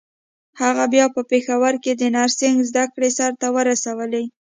هغه بيا په پېښور کې د نرسنګ زدکړې سرته ورسولې.